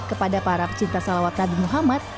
kepada para pecinta salawat nabi muhammad